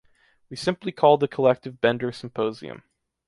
We simply call the collective bender symposium.